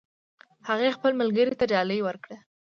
هغې خپل ملګري ته ډالۍ ورکړه